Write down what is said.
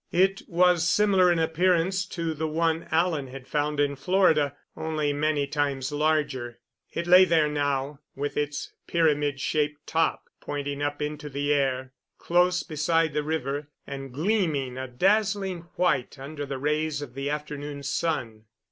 It was similar in appearance to the one Alan had found in Florida, only many times larger. It lay there now, with its pyramid shaped top pointing up into the air, close beside the river, and gleaming a dazzling white under the rays of the afternoon sun.